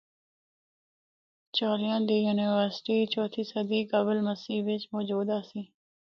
جولیاں دی یونیورسٹی چوتھی صدی قبل مسیح بچ موجود آسی۔